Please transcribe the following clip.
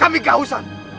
kami ga usah